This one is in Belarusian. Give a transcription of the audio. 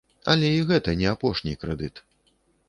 Але і гэта не апошні крэдыт.